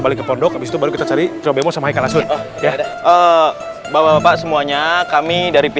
bali ke pondok habis itu baru kita cari juga mau sama ikan langsung ya oh bapak bapak semua bisa ini